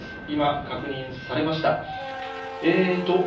今、確認されました。